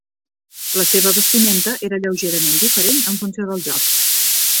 La seva vestimenta era lleugerament diferent, en funció del joc.